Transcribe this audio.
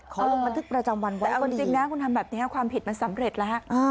ลงบันทึกประจำวันไว้เอาจริงนะคุณทำแบบนี้ความผิดมันสำเร็จแล้วฮะ